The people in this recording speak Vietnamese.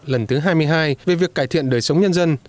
lần thứ hai mươi hai về việc cải thiện đời sống nhân dân